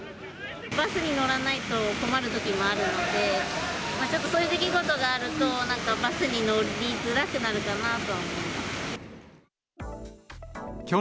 バスに乗らないと困るときもあるので、ちょっとそういう出来事があると、なんかバスに乗りづらくなるかなとは思います。